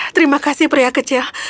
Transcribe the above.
terima kasih pria kecil